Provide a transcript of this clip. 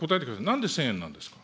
なんで１０００円なんですか。